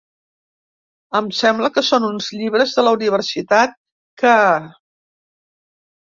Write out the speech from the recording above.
Em sembla que són uns llibres de la universitat que...